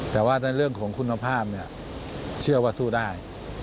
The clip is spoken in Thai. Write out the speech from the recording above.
แต่ว่าในเรื่องของคุณภาพเนี่ยเชื่อว่าสู้ได้